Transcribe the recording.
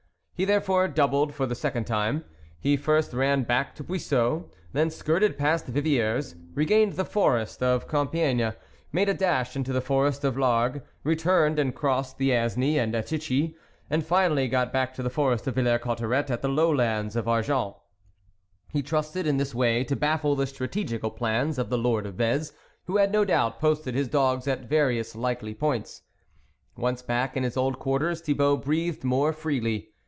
He there fore doubled for the second time. He first ran back to Puiseux, then skirted past Viviers, regained the forest of Compiegne, made a dash into the forest of Largue, re turned and crossed the Aisne at Attichy, and finally got back to the forest of Villers Cotterets at the low lands of Ar gent. He trusted in this way to baffle the strategical plans of the Lord of Vez, who had, no doubt, posted his dogs at various likely points. Once back in his old quarters Thibault breathed more freely.